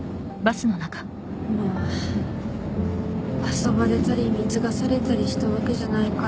まあ遊ばれたり貢がされたりしたわけじゃないからいいよね